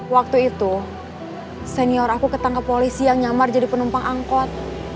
waktu itu senior aku ketangkep polisi yang nyamar jadi penumpang angkot